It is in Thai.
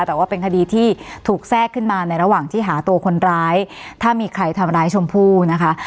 แต่ว่าเป็นคดีที่ถูกแทรกขึ้นมาในระหว่างที่หาตัวคนร้ายถ้ามีใครทำร้ายชมพู่นะคะ